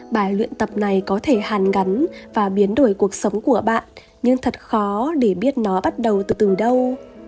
bài luyện tập này có thể hàn gắn và biến đổi cuộc sống của bạn nhưng thật khó để biết nó bắt đầu từ từ đâu